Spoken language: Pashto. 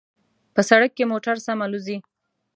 په سړک کې موټر سم الوزي